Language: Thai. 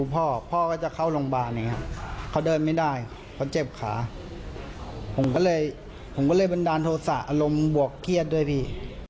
ผมก็เลยบันดาลโทษอารมณ์บวกเกียจด้วยพี่